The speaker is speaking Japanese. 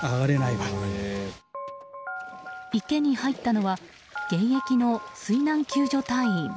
池に入ったのは現役の水難救助隊員。